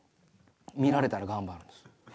見られたら頑張るんです。